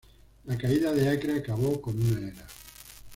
La caída de Acre acabó con una era.